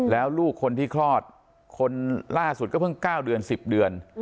แล้วลูกคนที่คลอดคนล่าสุดก็เพิ่ง๙เดือน๑๐เดือน